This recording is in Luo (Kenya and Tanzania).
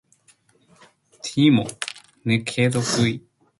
timno ne kedo gi jowetegi ma ne ok gin